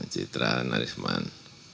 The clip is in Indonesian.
citra nari saman